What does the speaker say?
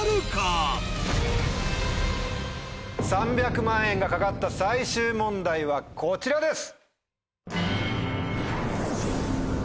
今回３００万円が懸かった最終問題はこちらです！